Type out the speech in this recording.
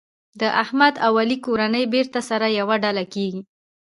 د احمد او علي کورنۍ بېرته سره یوه ډله کېږي.